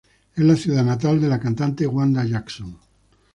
Es la ciudad natal de la cantante Wanda Jackson.